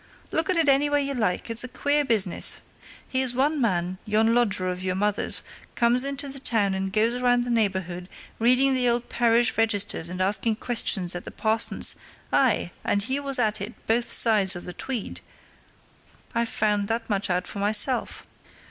"Look at it anyway you like, it's a queer business! Here's one man, yon lodger of your mother's, comes into the town and goes round the neighbourhood reading the old parish registers and asking questions at the parson's aye, and he was at it both sides of the Tweed I've found that much out for myself!